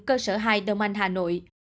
cơ sở hai đông anh hà nội